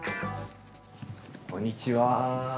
こんにちは。